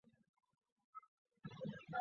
旧隶贵西道。